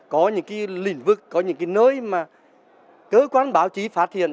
có những lĩnh vực có những nơi mà cơ quan báo chí phát triển